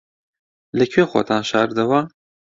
لەکوێ خۆتان شاردەوە؟